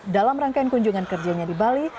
dalam rangkaian kunjungan kerjanya di bali